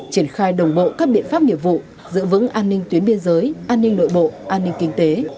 triển khai đồng bộ các biện pháp nghiệp vụ giữ vững an ninh tuyến biên giới an ninh nội bộ an ninh kinh tế